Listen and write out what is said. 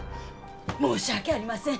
申し訳ありません。